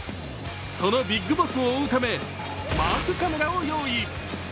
そのビッグボスを追うため、マークカメラを用意。